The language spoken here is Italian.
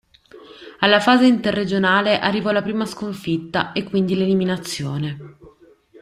Alla fase Interregionale arrivò la prima sconfitta e quindi l'eliminazione.